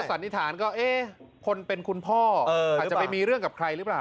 สันนิษฐานก็เอ๊ะคนเป็นคุณพ่ออาจจะไปมีเรื่องกับใครหรือเปล่า